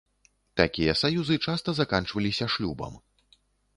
Такія саюзы часта заканчваліся шлюбам.